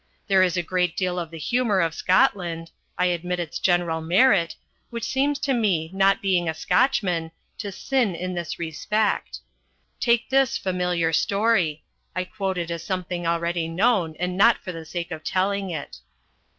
There is a great deal in the humour of Scotland (I admit its general merit) which seems to me not being a Scotchman, to sin in this respect. Take this familiar story (I quote it as something already known and not for the sake of telling it).